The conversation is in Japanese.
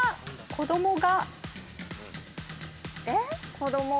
「子供が」